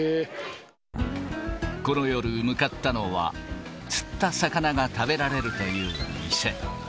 この夜、向かったのは、釣った魚が食べられるという店。